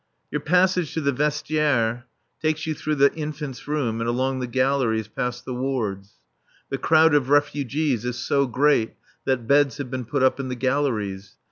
Your passage to the Vestiaire takes you through the infants' room and along the galleries past the wards. The crowd of refugees is so great that beds have been put up in the galleries.